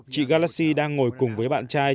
chị galassi đang ngồi cùng với bạn trai